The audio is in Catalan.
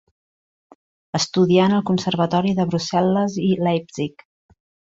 Estudià en el Conservatori de Brussel·les i Leipzig.